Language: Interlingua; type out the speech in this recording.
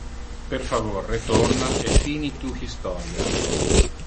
Per favor retorna, e fini tu historia.